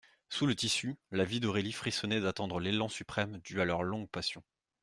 Sous le tissu, la vie d'Aurélie frissonnerait d'attendre l'élan suprême dû à leur longue passion.